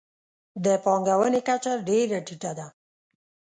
د پانګونې کچه ډېره ټیټه ده.